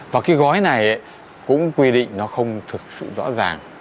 và cái gói này cũng quy định nó không thực sự rõ ràng